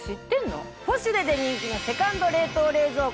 『ポシュレ』で人気のセカンド冷凍冷蔵庫。